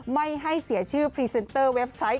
ไม่ให้เสียชื่อพรีเซนเตอร์เว็บไซต์